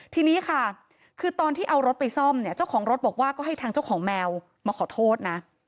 ทีนี้ค่ะคือตอนที่เอารถไปซ่อมเนี่ยเจ้าของรถบอกว่าก็ให้ทางเจ้าของแมวมาขอโทษนะ